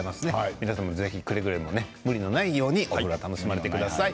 皆さんくれぐれも無理のないようにお風呂を楽しまれてください。